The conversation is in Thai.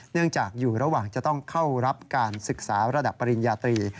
เนื่องจากอยู่ระหว่างจะต้องเข้ารับการศึกษาระดับปริญญาตรี